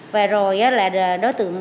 và rồi là đối tượng